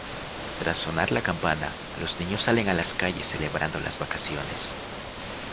Tras sonar la campana, los niños salen a las calles celebrando las vacaciones.